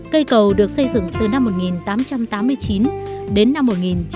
cây cầu được xây dựng từ năm một nghìn tám trăm tám mươi chín đến năm một nghìn chín trăm bảy mươi